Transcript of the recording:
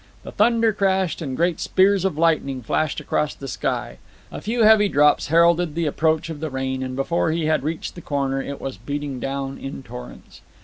The thunder crashed and great spears of lightning flashed across the sky. A few heavy drops heralded the approach of the rain, and before he had reached the corner it was beating down in torrents.